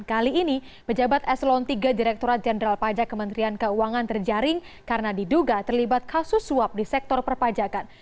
kali ini pejabat eselon iii direkturat jenderal pajak kementerian keuangan terjaring karena diduga terlibat kasus suap di sektor perpajakan